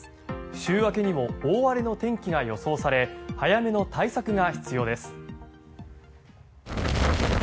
週明けにも大荒れの天気が予想され早めの対策が必要です。